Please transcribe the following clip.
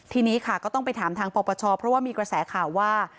ทีนี้ค่ะก็ต้องไปถามทางปปชเพราะว่ามีกระแสข่าวว่า